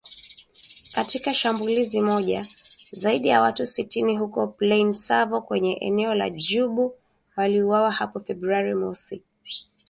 Katika shambulizi moja, zaidi ya watu sitini huko Plaine Savo kwenye eneo la Djubu waliuawa hapo Februari mosi